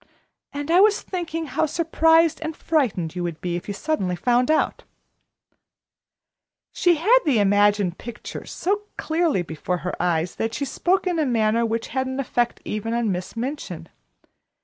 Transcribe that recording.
And I was thinking how surprised and frightened you would be if you suddenly found out " She had the imagined picture so clearly before her eyes, that she spoke in a manner which had an effect even on Miss Minchin.